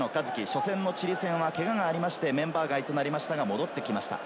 初戦のチリ戦は、けががあって、メンバー外となりましたが戻ってきました。